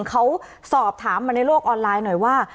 เขาสอบถามมาในโลกออนไลน์หน่อยว่า